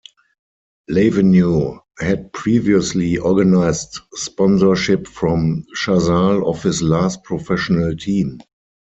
Lavenu had previously organised sponsorship from Chazal of his last professional team.